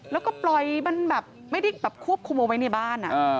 แล้วก็ปล่อยมันแบบไม่ได้แบบควบคุมเอาไว้ในบ้าน